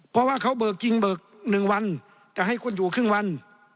เพราะว่าเขาเบิกจริงเบิก๑วันจะให้คุณอยู่ครึ่งวัน